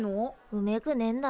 うめくねんだ。